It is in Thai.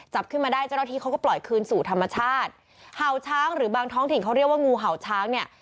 จับขึ้นมาได้เจ้าหน้าที่เขาก็ปล่อยคืนสู่ธรรมชาติเห่าช้างหรือบางท้องถิ่นเขาเรียกว่างูเห่าช้างเนี่ย